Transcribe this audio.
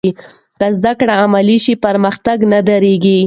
که زده کړه عملي شي، پرمختګ نه درېږي.